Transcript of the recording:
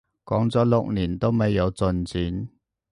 講咗六年都未有進展